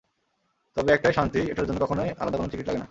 তবে একটাই শান্তি, এটার জন্য কখনোই আলাদা কোনো টিকিট লাগে না।